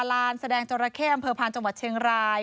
ลานแสดงจราเข้อำเภอพานจังหวัดเชียงราย